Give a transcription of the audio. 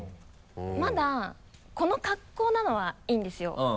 まだこの格好なのはいいんですよ。